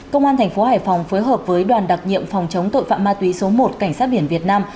công an thành phố hải phòng phối hợp với đoàn đặc nhiệm phòng chống tội phạm ma túy số một cảnh sát biển việt nam